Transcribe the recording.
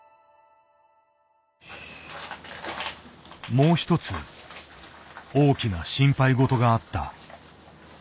もう一つ大きな心配事があった。